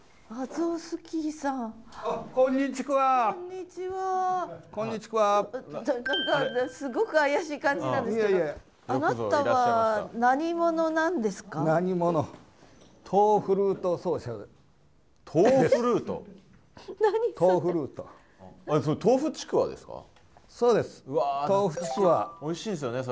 おいしいですよねそれね。